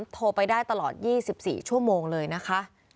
โทรไปได้ตลอด๒๔ชั่วโมงเลยนะคะ